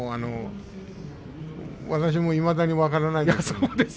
私もいまだに分からないです。